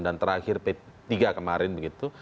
dan terakhir p tiga kemarin begitu